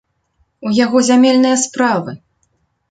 У яго зямельныя справы!